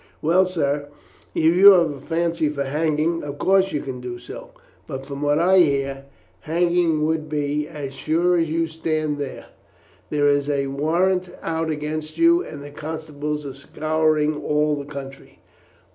"Well, sir, if you have a fancy for hanging, of course you can do so; but from what I hear, hanging it would be, as sure as you stand there. There is a warrant out against you, and the constables are scouring all the country."